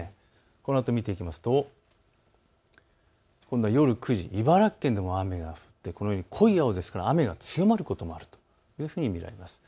このあとを見ていきますと今度は夜９時、茨城県でも雨が降ってこのように濃い青ですから雨が強まることもあるというふうに見られます。